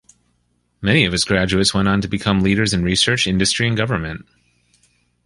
Many of its graduates went on to become leaders in research, industry and government.